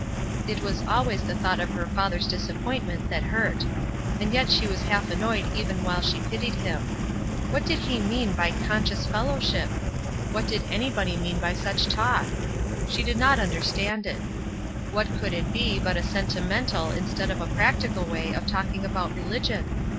It was always the thought of her father's disappoint ment that hurt; and yet she was half annoyed even while she pitied him. What did he mean by ''conscious fellowship"? What did any body mean by such talk ? She did not under WORDS 135 stand it. What could it be but a sentimental instead of a practical way of talking about religion?